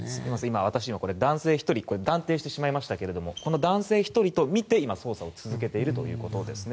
私、男性１人と断定しましたがこの男性１人とみて、捜査を続けているということです。